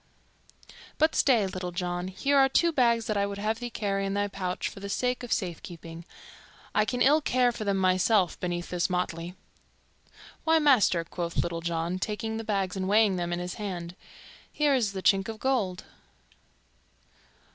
But stay, Little John, here are two bags that I would have thee carry in thy pouch for the sake of safekeeping. I can ill care for them myself beneath this motley." "Why, master," quoth Little John, taking the bags and weighing them in his hand, "here is the chink of gold."